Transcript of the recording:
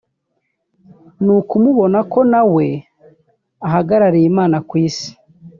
ni ukumubonamo ko na we ahagarariye Imana ku Isi”